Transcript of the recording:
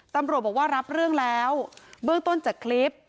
ตำรวจบอกว่ารับเรื่องแล้วเบื้องต้นจากคลิป